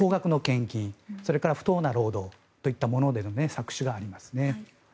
それから不当な労働といったものでの搾取がありますね。